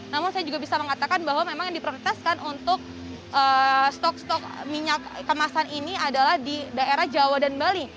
namun saya juga bisa mengatakan bahwa memang yang diprioritaskan untuk stok stok minyak kemasan ini adalah di daerah jawa dan bali